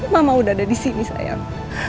mama udah ada disini sayang